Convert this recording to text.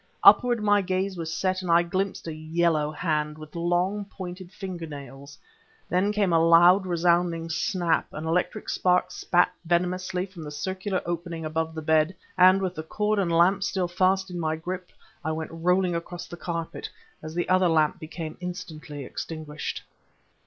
Upward my gaze was set; and I glimpsed a yellow hand, with long, pointed finger nails. There came a loud resounding snap; an electric spark spat venomously from the circular opening above the bed; and, with the cord and lamp still fast in my grip, I went rolling across the carpet as the other lamp became instantly extinguished.